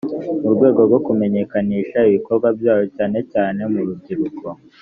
mu rwego rwo kumenyekanisha ibikorwa byayo cyane cyane mu rubyiruko